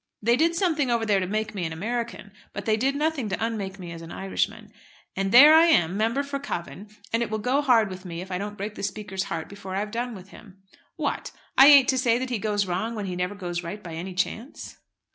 They did something over there to make me an American; but they did nothing to unmake me as an Irishman. And there I am, member for Cavan; and it will go hard with me if I don't break that Speaker's heart before I've done with him. What! I ain't to say that he goes wrong when he never goes right by any chance?"